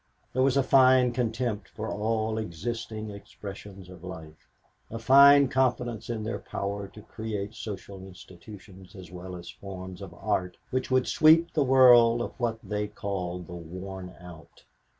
There was a fine contempt for all existing expressions of life, a fine confidence in their power to create social institutions as well as forms of art which would sweep the world of what they called the "worn out."